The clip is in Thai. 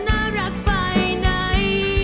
อยากจะได้แอบอิ่ง